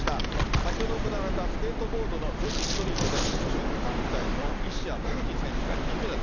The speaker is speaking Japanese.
先ほど行われたスケートボードの女子ストリートで、１３歳の西矢椛選手が金メダル。